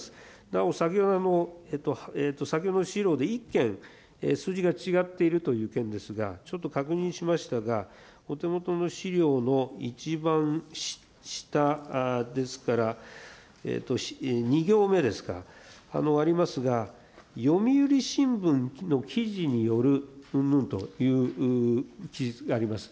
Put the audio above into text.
なお先ほど、先ほどの資料で１件、数字が違っているという件ですが、ちょっと確認しましたが、お手元の資料の一番下ですから、２行目ですか、ありますが、読売新聞の記事によるうんぬんという記述があります。